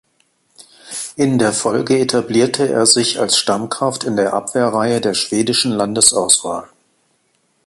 In der Folge etablierte er sich als Stammkraft in der Abwehrreihe der schwedischen Landesauswahl.